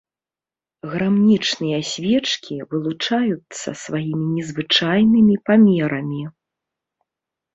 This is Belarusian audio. Грамнічныя свечкі вылучаюцца сваімі незвычайнымі памерамі.